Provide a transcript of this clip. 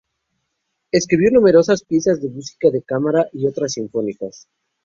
Escribió numerosas piezas de música de cámara y obras sinfónicas.